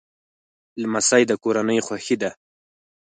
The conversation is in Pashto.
لمسی د کورنۍ خوښي ده.